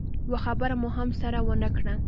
يوه خبره مو هم سره ونه کړه.